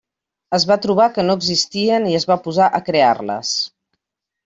Es va trobar que no existien i es va posar a crear-les.